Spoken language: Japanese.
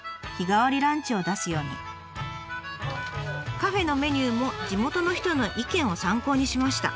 カフェのメニューも地元の人の意見を参考にしました。